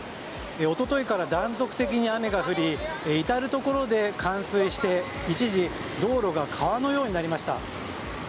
一昨日から断続的に雨が降り至るところで冠水して一時道路が川のようになりました。